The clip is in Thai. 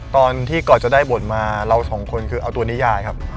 ตอนที่ก่อนจะได้บทมาเราสองคนคือเอาตัวนิยายครับ